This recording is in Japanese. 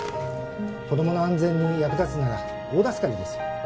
子供の安全に役立つなら大助かりですよ